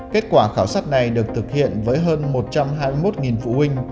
kết quả khảo sát này được thực hiện với hơn một trăm hai mươi một phụ huynh